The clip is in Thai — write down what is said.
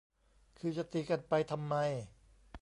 คือจะตีกันไปทำไม